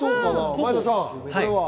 前田さんは？